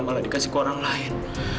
malah dikasih ke orang lain